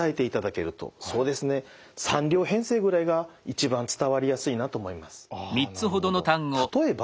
そうですね３両編成ぐらいが一番伝わりやすいなと思います。